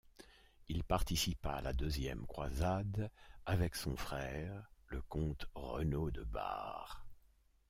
Il participa à la deuxième croisade avec son frère, le comte Renaud de Bar.